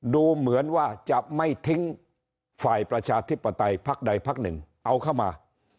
ดูเหมือนว่าจะไม่ทิ้งฝ่ายประชาธิปไตยพักใดพักหนึ่งเอาเข้ามา